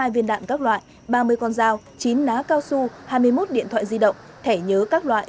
một trăm chín mươi hai viên đạn các loại ba mươi con dao chín ná cao su hai mươi một điện thoại di động thẻ nhớ các loại